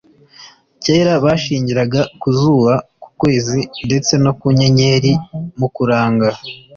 kera bashingiraga ku zuba, ku kwezi ndetse no ku nyenyeri mu kuranga